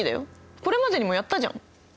これまでにもやったじゃん。